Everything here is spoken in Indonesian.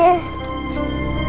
beres banget ya